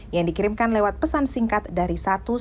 yang dikirimkan lewat pesan singkat dari satu ratus sembilan puluh